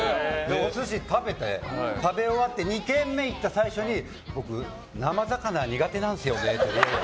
お寿司を食べて、食べ終わって２軒目に行った最初に僕、生魚苦手なんすよねって。